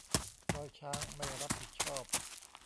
ดอยช้างไม่รับผิดชอบ